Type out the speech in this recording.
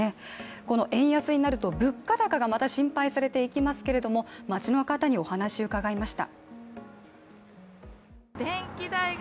この円安になると物価高がまた心配されていきますけれども、町の方にお話、伺いました。